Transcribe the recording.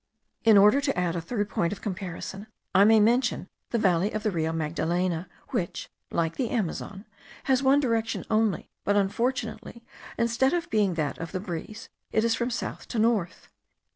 In order to add a third point of comparison, I may mention the valley of the Rio Magdalena, which, like the Amazon, has one direction only, but unfortunately, instead of being that of the breeze, it is from south to north.